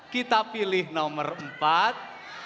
kita pilih nomor empat